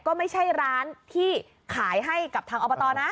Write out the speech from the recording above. ก็ไม่ใช่ร้านที่ขายให้กับทางอบตนะ